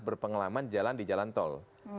berpengalaman jalan di jalan tol